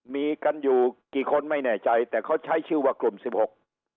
มีกันอยู่กี่คนไม่แน่ใจแต่เขาใช้ชื่อว่ากลุ่มสิบหก